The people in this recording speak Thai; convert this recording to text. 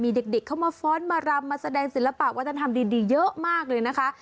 มีเด็กเข้ามาฟ้อนมารำมาแสดงศิลปะวัฒนธรรมดีเยอะมากเลยนะคะ